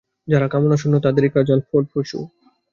যাঁরা কামনাশূন্য, তাঁদেরই কাজ ফলপ্রসূ।